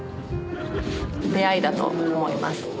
出会いだと思います